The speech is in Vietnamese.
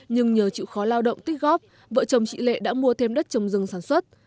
nhưng nhờ chịu khó lao động tích góp vợ chồng chị lệ đã mua thêm đất trồng rừng sản xuất